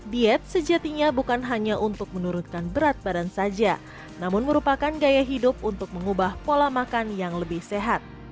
diet sejatinya bukan hanya untuk menurunkan berat badan saja namun merupakan gaya hidup untuk mengubah pola makan yang lebih sehat